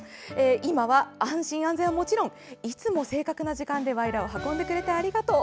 今も安心・安全はもちろんいつも正確な時間でわいらを運んでくれてありがとう。